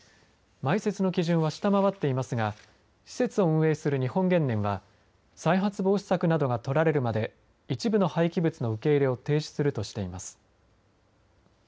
埋設の基準は下回っていますが施設を運営する日本原燃は再発防止策などがとられるまで一部の廃棄物の受け入れを停止するとしています。